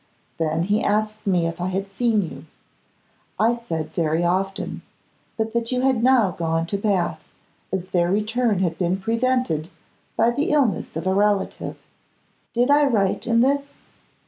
Then he asked me if I had seen you. I said very often, but that you had now gone to Bath, as their return had been prevented by the illness of a relative. Did I right in this?